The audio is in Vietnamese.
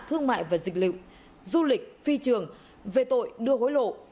thương mại và dịch liệu du lịch phi trường về tội đưa hối lộ